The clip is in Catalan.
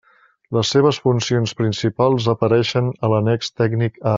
Les seves funcions principals apareixen a l'annex tècnic A.